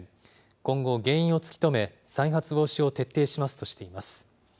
今後、原因を突き止め、再発防止を徹底しますとしています。